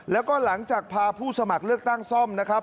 แล้วก็หลังจากพาผู้สมัครเลือกตั้งซ่อมนะครับ